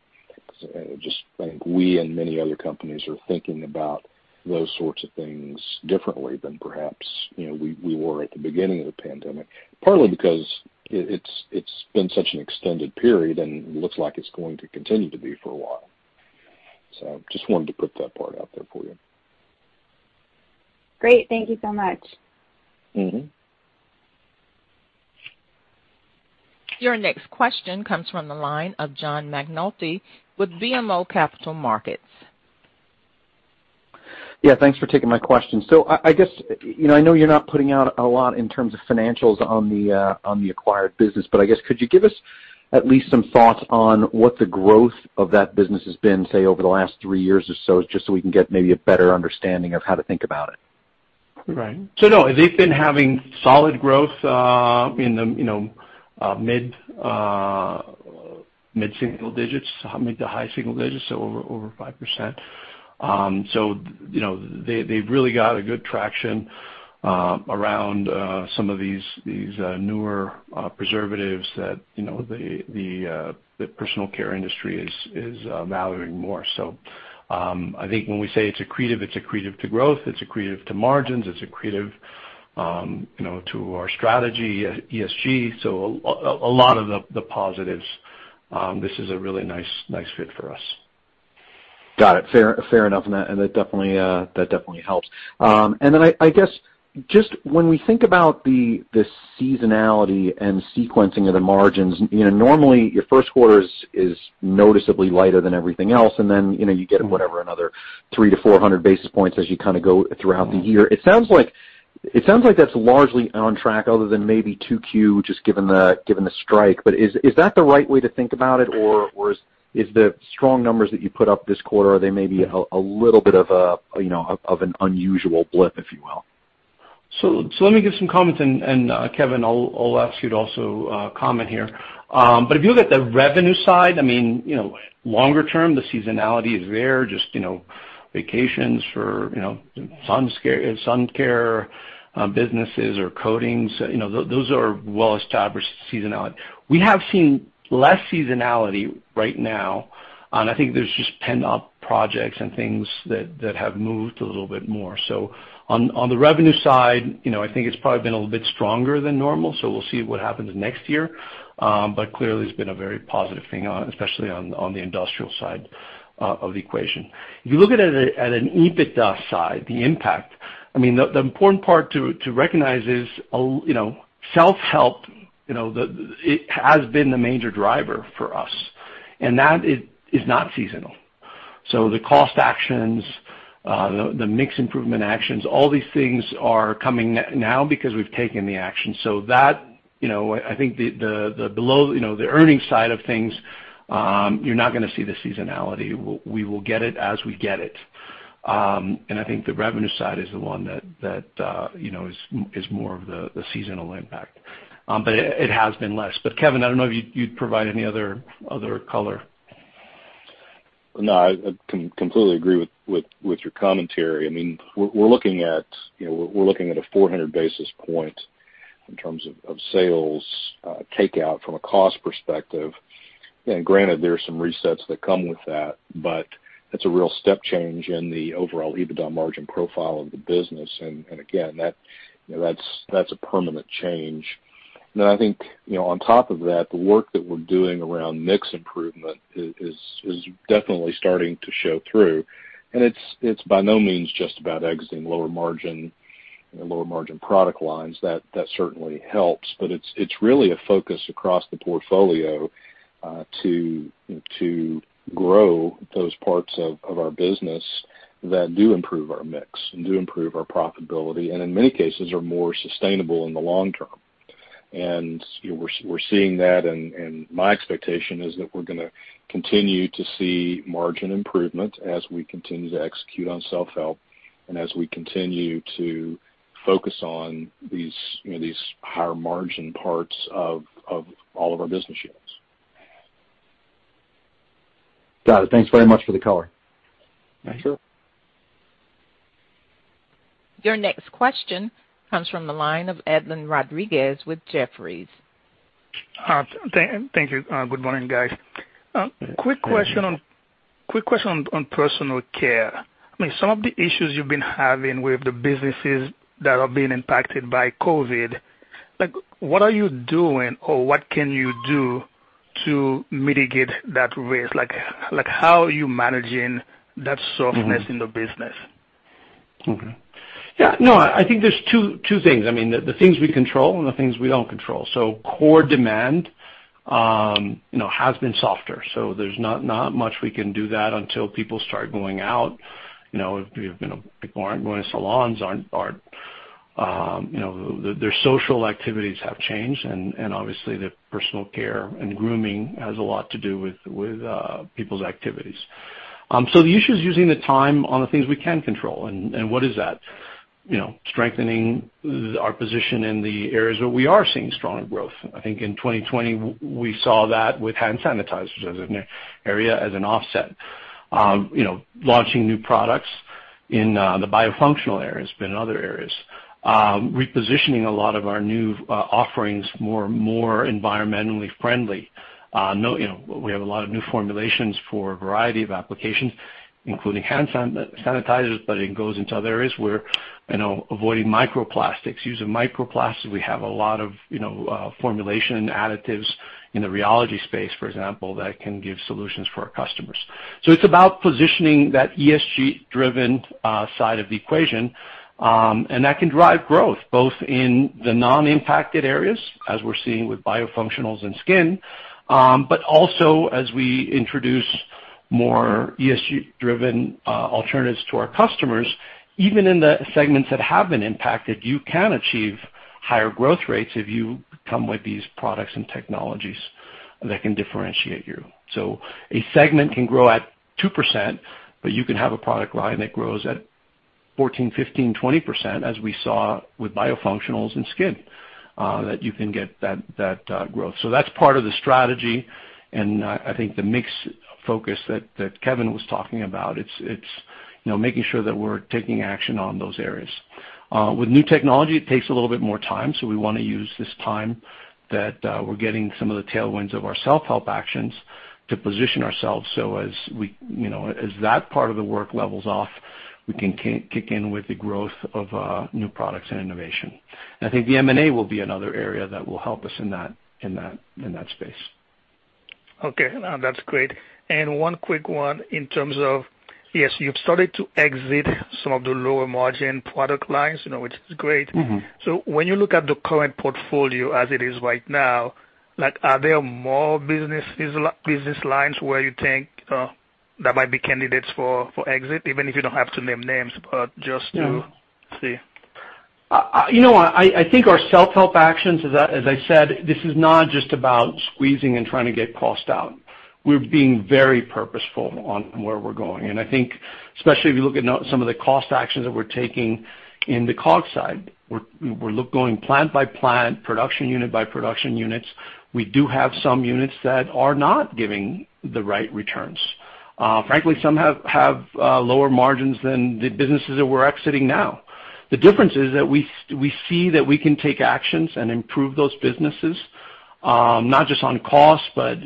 I just think we and many other companies are thinking about those sorts of things differently than perhaps we were at the beginning of the pandemic, partly because it's been such an extended period, and it looks like it's going to continue to be for a while. Just wanted to put that part out there for you. Great. Thank you so much. Your next question comes from the line of John McNulty with BMO Capital Markets. Yeah, thanks for taking my question. I know you're not putting out a lot in terms of financials on the acquired business, but I guess could you give us at least some thoughts on what the growth of that business has been, say, over the last three years or so, just so we can get maybe a better understanding of how to think about it? Right. No, they've been having solid growth in the mid-single digits, mid to high single digits, over 5%. They've really got a good traction around some of these newer preservatives that the personal care industry is valuing more. I think when we say it's accretive, it's accretive to growth, it's accretive to margins, it's accretive to our strategy, ESG. A lot of the positives. This is a really nice fit for us. Got it. Fair enough. That definitely helps. I guess just when we think about the seasonality and sequencing of the margins, normally your first quarter is noticeably lighter than everything else, then you get whatever, another 300-400 basis points as you kind of go throughout the year. It sounds like that's largely on track other than maybe 2Q, just given the strike. Is that the right way to think about it, or is the strong numbers that you put up this quarter, are they maybe a little bit of an unusual blip, if you will? Let me give some comments, and Kevin, I'll ask you to also comment here. If you look at the revenue side, longer term, the seasonality is there, just vacations for sun care businesses or coatings, those are well-established seasonality. We have seen less seasonality right now, and I think there's just pent-up projects and things that have moved a little bit more. On the revenue side, I think it's probably been a little bit stronger than normal, so we'll see what happens next year. Clearly, it's been a very positive thing, especially on the industrial side of the equation. If you look at an EBITDA side, the impact, the important part to recognize is self-help, it has been the major driver for us. That is not seasonal. The cost actions, the mix improvement actions, all these things are coming now because we've taken the action. That, I think the earnings side of things, you're not going to see the seasonality. We will get it as we get it. I think the revenue side is the one that is more of the seasonal impact. It has been less. Kevin, I don't know if you'd provide any other color. No, I completely agree with your commentary. We're looking at a 400 basis point in terms of sales takeout from a cost perspective. Granted, there are some resets that come with that, but it's a real step change in the overall EBITDA margin profile of the business. Again, that's a permanent change. I think, on top of that, the work that we're doing around mix improvement is definitely starting to show through. It's by no means just about exiting lower margin product lines. That certainly helps, but it's really a focus across the portfolio to grow those parts of our business that do improve our mix and do improve our profitability, and in many cases, are more sustainable in the long term. We're seeing that. My expectation is that we're going to continue to see margin improvement as we continue to execute on self-help and as we continue to focus on these higher margin parts of all of our business units. Got it. Thanks very much for the color. Sure. Your next question comes from the line of Edlain Rodriguez with Jefferies. Thank you. Good morning, guys. Good morning. Quick question on personal care. Some of the issues you've been having with the businesses that have been impacted by COVID, what are you doing or what can you do to mitigate that risk? How are you managing that softness in the business? Okay. Yeah, no, I think there's two things. The things we control and the things we don't control. Core demand has been softer, so there's not much we can do that until people start going out. People aren't going to salons, their social activities have changed, and obviously, their personal care and grooming has a lot to do with people's activities. The issue is using the time on the things we can control, and what is that? Strengthening our position in the areas where we are seeing strong growth. I think in 2020, we saw that with hand sanitizers as an area, as an offset. Launching new products in the biofunctional areas, but in other areas. Repositioning a lot of our new offerings, more environmentally friendly. We have a lot of new formulations for a variety of applications, including hand sanitizers, but it goes into other areas. We're avoiding microplastics. Using microplastics, we have a lot of formulation additives in the rheology space, for example, that can give solutions for our customers. It's about positioning that ESG-driven side of the equation, and that can drive growth, both in the non-impacted areas, as we're seeing with biofunctionals and skin, but also as we introduce more ESG-driven alternatives to our customers. Even in the segments that have been impacted, you can achieve higher growth rates if you come with these products and technologies that can differentiate you. A segment can grow at 2%, but you can have a product line that grows at 14%, 15%, 20%, as we saw with biofunctionals and skin, that you can get that growth. That's part of the strategy, and I think the mix focus that Kevin was talking about, it's making sure that we're taking action on those areas. With new technology, it takes a little bit more time, so we want to use this time that we're getting some of the tailwinds of our self-help actions to position ourselves so as that part of the work levels off, we can kick in with the growth of new products and innovation. I think the M&A will be another area that will help us in that space. Okay. No, that's great. One quick one in terms of, yes, you've started to exit some of the lower margin product lines, which is great. When you look at the current portfolio as it is right now, are there more business lines where you think that might be candidates for exit, even if you don't have to name names, but just to see? I think our self-help actions, as I said, this is not just about squeezing and trying to get cost out. We're being very purposeful on where we're going. I think, especially if you look at some of the cost actions that we're taking in the COGS side, we're going plant by plant, production unit by production units. We do have some units that are not giving the right returns. Frankly, some have lower margins than the businesses that we're exiting now. The difference is that we see that we can take actions and improve those businesses, not just on cost, but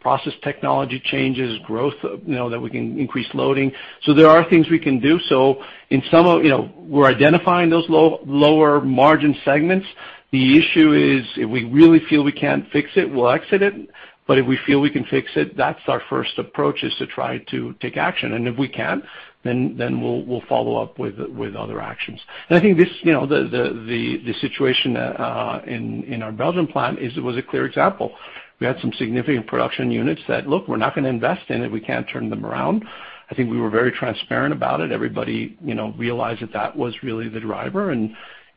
process technology changes, growth, that we can increase loading. There are things we can do. We're identifying those lower-margin segments. The issue is, if we really feel we can't fix it, we'll exit it. If we feel we can fix it, that's our first approach, is to try to take action. If we can't, then we'll follow up with other actions. I think the situation in our Belgium plant was a clear example. We had some significant production units that, look, we're not going to invest in it. We can't turn them around. I think we were very transparent about it. Everybody realized that that was really the driver, and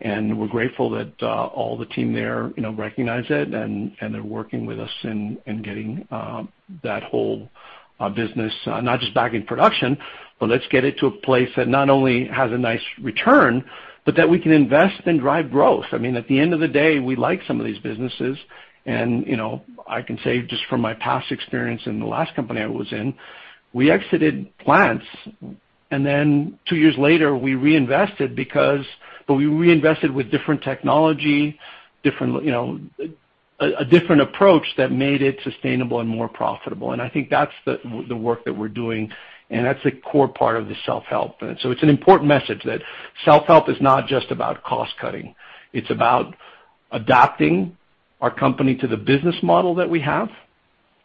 we're grateful that all the team there recognized it, and they're working with us in getting that whole business, not just back in production, but let's get it to a place that not only has a nice return, but that we can invest and drive growth. At the end of the day, we like some of these businesses, and I can say just from my past experience in the last company I was in, we exited plants, and then two years later, we reinvested, but we reinvested with different technology, a different approach that made it sustainable and more profitable. I think that's the work that we're doing, and that's a core part of the self-help. It's an important message that self-help is not just about cost-cutting. It's about adapting our company to the business model that we have.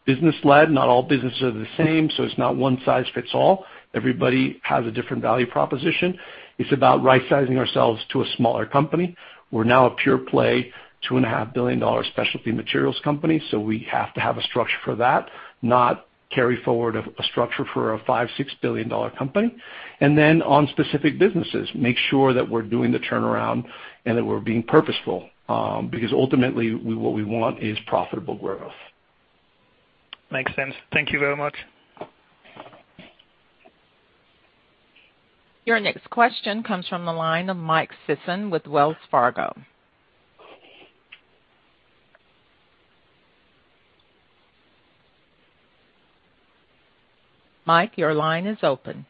Business-led, not all businesses are the same, so it's not one size fits all. Everybody has a different value proposition. It's about right-sizing ourselves to a smaller company. We're now a pure-play $2.5 billion specialty materials company. We have to have a structure for that, not carry forward a structure for a $5 billion-$6 billion company. Then on specific businesses, make sure that we're doing the turnaround and that we're being purposeful. Ultimately, what we want is profitable growth. Makes sense. Thank you very much. Your next question comes from the line of Mike Sison with Wells Fargo. Mike, your line is open.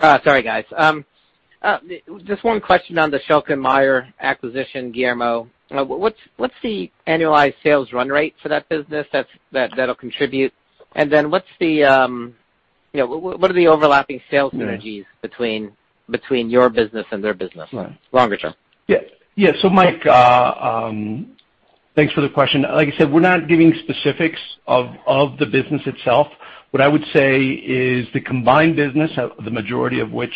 Sorry, guys. Just one question on the Schülke & Mayr acquisition, Guillermo. What's the annualized sales run rate for that business that'll contribute? What are the overlapping sales synergies between your business and their business longer term? Yeah. Mike, thanks for the question. Like I said, we're not giving specifics of the business itself. What I would say is the combined business, the majority of which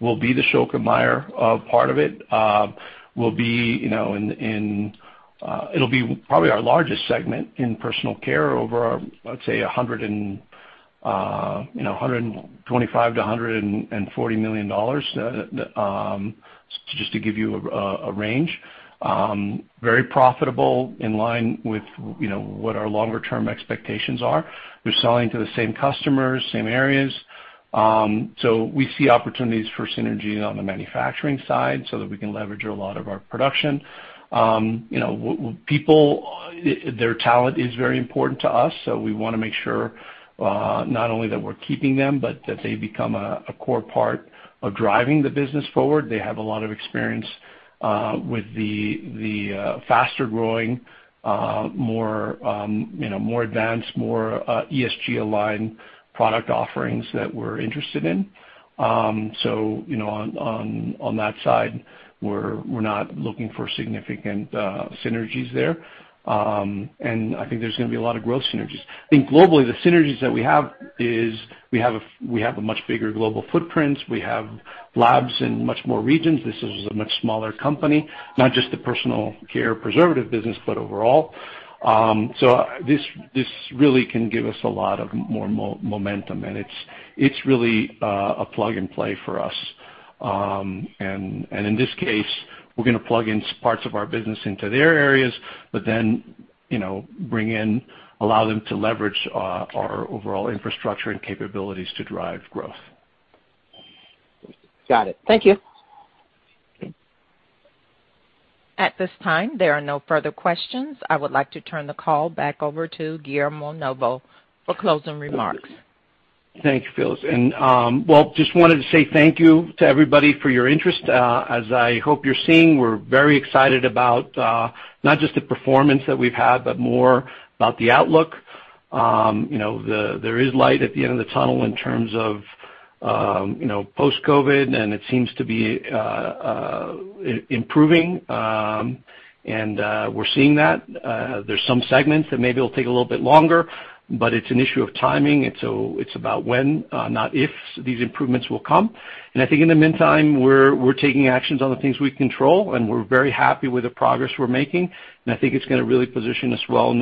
will be the Schülke & Mayr part of it'll be probably our largest segment in personal care over, let's say, $125 million-$140 million, just to give you a range. Very profitable, in line with what our longer-term expectations are. We're selling to the same customers, same areas. We see opportunities for synergies on the manufacturing side so that we can leverage a lot of our production. People, their talent is very important to us, so we want to make sure not only that we're keeping them, but that they become a core part of driving the business forward. They have a lot of experience with the faster-growing, more advanced, more ESG-aligned product offerings that we're interested in. On that side, we're not looking for significant synergies there. I think there's going to be a lot of growth synergies. I think globally, the synergies that we have is we have a much bigger global footprint. We have labs in much more regions. This is a much smaller company, not just the personal care preservative business, but overall. This really can give us a lot of more momentum, and it's really a plug-and-play for us. In this case, we're going to plug in parts of our business into their areas, but then allow them to leverage our overall infrastructure and capabilities to drive growth. Got it. Thank you. At this time, there are no further questions. I would like to turn the call back over to Guillermo Novo for closing remarks. Thank you, Phyllis. Well, just wanted to say thank you to everybody for your interest. As I hope you're seeing, we're very excited about not just the performance that we've had, but more about the outlook. There is light at the end of the tunnel in terms of post-COVID, and it seems to be improving. We're seeing that. There's some segments that maybe will take a little bit longer, but it's an issue of timing. It's about when, not if these improvements will come. I think in the meantime, we're taking actions on the things we control, and we're very happy with the progress we're making. I think it's going to really position us well,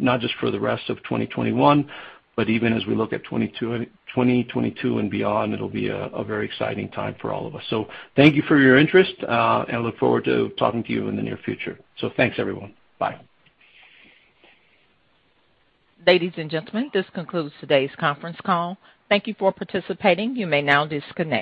not just for the rest of 2021, but even as we look at 2022 and beyond, it'll be a very exciting time for all of us. Thank you for your interest, and I look forward to talking to you in the near future. Thanks, everyone. Bye. Ladies and gentlemen, this concludes today's conference call. Thank you for participating. You may now disconnect.